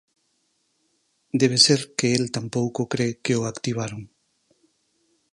Debe ser que el tampouco cre que o activaron.